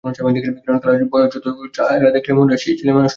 কিরণলেখার বয়স যতই হউক চেহারা দেখিলে মনে হয় ছেলেমানুষটি।